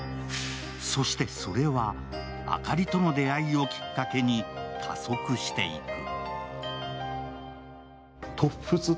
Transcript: そしてそれは、あかりとの出会いをきっかけに加速していく。